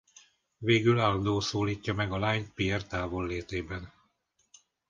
Végül Aldo szólítja meg a lányt Pierre távollétében.